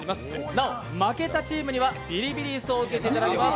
なお負けたチームにはビリビリ椅子を受けていただきます。